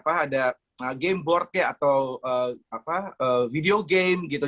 pakai game board ya atau video game gitu